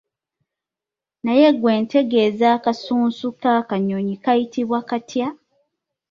Naye ggwe ntegeeza akasunsu k'akanyonyi kayitibwa katya?